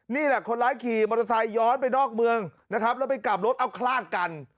นี่แหละคนร้ายขี่มอเตอร์ไซค์ย้อนไปนอกเมืองนะครับแล้วไปกลับรถเอาคลาดกัน